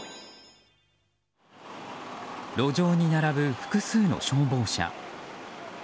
路上に並ぶ複数の消防車。